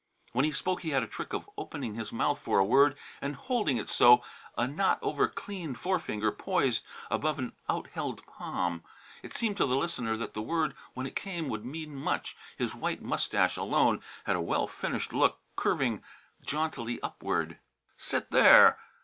When he spoke he had a trick of opening his mouth for a word and holding it so, a not over clean forefinger poised above an outheld palm. It seemed to the listener that the word when it came would mean much. His white moustache alone had a well finished look, curving jauntily upward. "Sit there!"